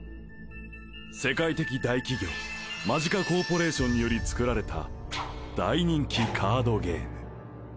世界的大企業マジカコーポレーションにより作られた大人気カードゲーム